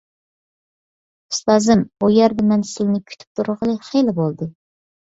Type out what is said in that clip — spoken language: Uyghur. ئۇستازىم، بۇ يەردە مەن سىلىنى كۈتۈپ تۇرغىلى خېلى بولدى.